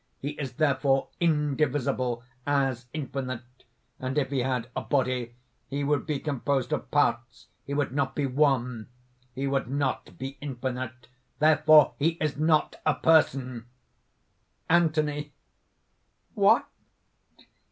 He is therefore indivisible as infinite; and if he had a body, he would be composed of parts, he would not be One he would not be infinite. Therefore he is not a Person!" ANTHONY. "What?